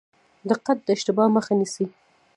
دقت د اشتباه مخه نیسي